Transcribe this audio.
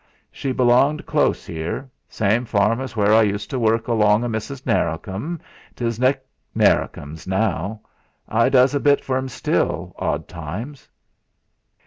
She belonged close 'ere; same farm as where I used to work along o' Mrs. Narracombe 'tes Nick Narracombe's now; I dus a bit for 'im still, odd times."